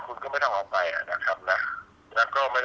คุณพ่อได้จดหมายมาที่บ้าน